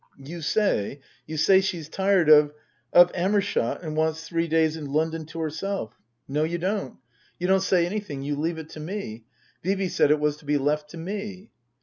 " You say you say she's tired of of Amershott and wants three days in London to herself. No, you don't. 232 Tasker Jevons You don*! say anything. You leave it to me. Vee Vee said it was to be left to me."